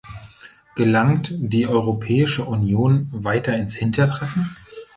Gelangt die Europäische Union weiter ins Hintertreffen?